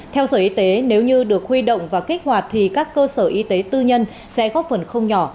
theo sở y tế nếu như được huy động và kích hoạt thì các cơ sở y tế tư nhân sẽ góp phần không nhỏ